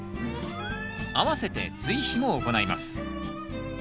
あわせて追肥も行います。